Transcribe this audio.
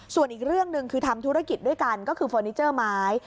ส่วนอีกเรื่องหนึ่งคือทำธุรกิจด้วยกันก็คือเฟอร์นิเจอร์ไม้